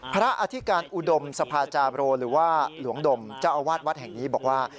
อธิการอุดมสภาจาโรหรือว่าหลวงดมเจ้าอาวาสวัดแห่งนี้บอกว่า